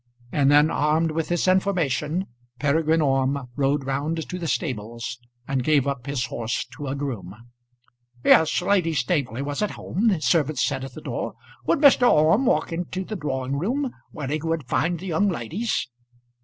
And then, armed with this information, Peregrine Orme rode round to the stables, and gave up his horse to a groom. "Yes, Lady Staveley was at home," the servant said at the door. "Would Mr. Orme walk into the drawing room, where he would find the young ladies?"